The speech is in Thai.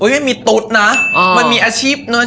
ไม่มีตุ๊ดนะมันมีอาชีพเนิน